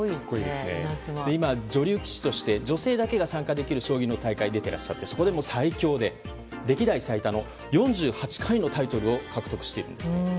今、女流棋士として女性だけが出場できる将棋の大会に出ていらっしゃってそこでも最強で歴代最多の４８回のタイトルを獲得しているんです。